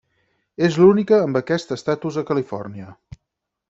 És l'única amb aquest estatus a Califòrnia.